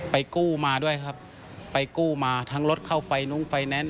กู้มาด้วยครับไปกู้มาทั้งรถเข้าไฟนุ้งไฟแนนซ์